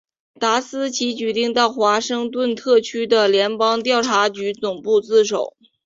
达斯奇决定到华盛顿特区的联邦调查局总部自首。